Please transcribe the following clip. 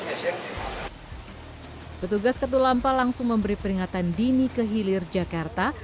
hai petugas katulampa langsung memberi peringatan dini ke hilir jakarta